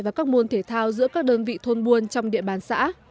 và các môn thể thao giữa các đơn vị thôn buôn trong địa bàn xã